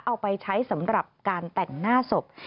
เอาไปใช้สำหรับการแต่งหน้าศพ